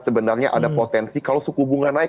sebenarnya ada potensi kalau suku bunga naik